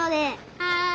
はい。